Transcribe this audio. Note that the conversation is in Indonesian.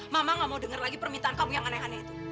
mama gak mau dengar lagi permintaan kamu yang aneh aneh itu